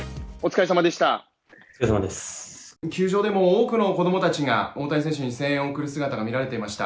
球場でも多くの子供たちが大谷選手に声援を送る姿が見られていました。